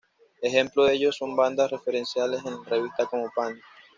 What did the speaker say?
Ejemplo de ello son bandas referenciadas en la revista como Panic!